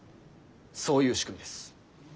そういう仕組みです。